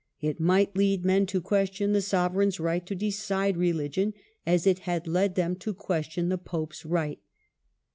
It might lead men to question the sovereign's right to decide .religion, as it had led them to question the pope's right.